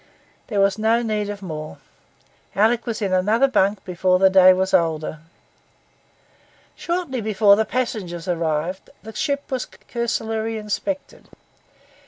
There was need of no more; Alick was in another bunk before the day was older. Shortly before the passengers arrived, the ship was cursorily inspected.